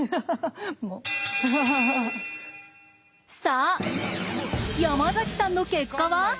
さあ山崎さんの結果は？